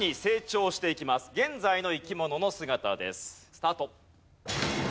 スタート。